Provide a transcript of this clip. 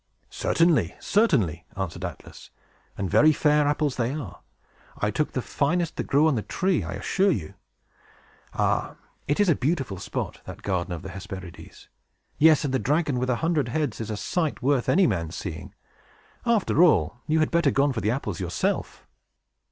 "Certainly, certainly," answered Atlas; "and very fair apples they are. I took the finest that grew on the tree, I assure you. Ah! it is a beautiful spot, that garden of the Hesperides. Yes; and the dragon with a hundred heads is a sight worth any man's seeing. After all, you had better have gone for the apples yourself."